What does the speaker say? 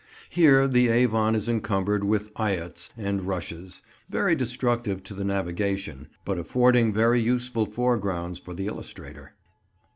Here the Avon is encumbered with eyots and rushes, very destructive to the navigation, but affording very useful foregrounds for the illustrator.